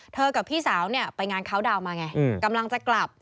กับพี่สาวเนี่ยไปงานเขาดาวนมาไงกำลังจะกลับ